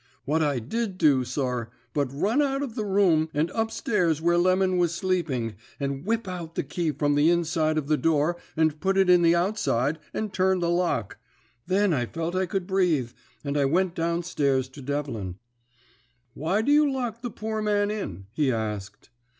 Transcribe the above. "What did I do, sir, but run out of the room, and up stairs where Lemon was sleeping, and whip out the key from the inside of the door and put it in the outside, and turn the lock. Then I felt I could breathe, and I went down stairs to Devlin. "'Why do you lock the poor man in?' he asked.